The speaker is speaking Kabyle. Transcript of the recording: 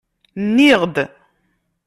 Nniɣ-d.